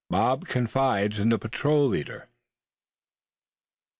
BOB CONFIDES IN THE PATROL LEADER.